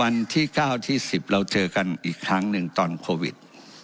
วันที่๙ที่๑๐เราเจอกันอีกครั้งหนึ่งตอนโควิด